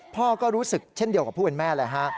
พ่อก็รู้สึกเช่นเดียวกับผู้เป็นแม่เลยฮะ